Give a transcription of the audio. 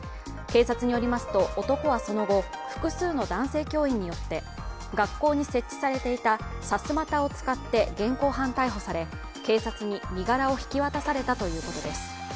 警察によりますと、男はその後、複数の男性教員によって学校に設置されていたさすまたを使って現行犯逮捕され警察に身柄を引き渡されたということです。